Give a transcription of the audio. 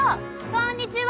こんにちは。